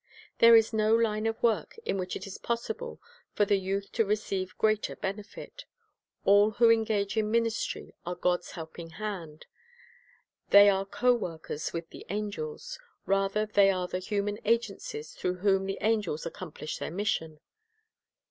There is no line of work in which it is possible for the youth to receive greater benefit. All who engage in ministry are God's helping hand. They are co workers with the angels; rather, they are the human agencies through whom the angels accomplish their mission.